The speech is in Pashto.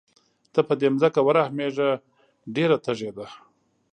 ته په دې ځمکه ورحمېږه ډېره تږې ده.